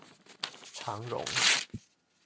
長榮